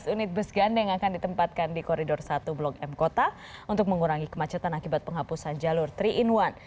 empat belas unit bus gandeng akan ditempatkan di koridor satu blok m kota untuk mengurangi kemacetan akibat penghapusan jalur tiga in satu